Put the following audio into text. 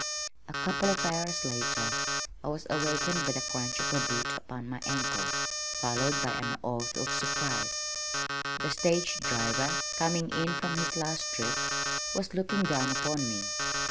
A couple of hours later I was awakened by the crunch of a boot upon my ankle, followed by an oath of surprise. The stage driver, coming in from his last trip, was looking down upon me.